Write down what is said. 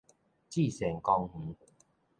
至善公園